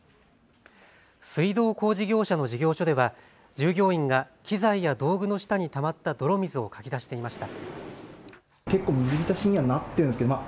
水道工事業者の事業所では従業員が機材や道具の下にたまった泥水をかき出していました。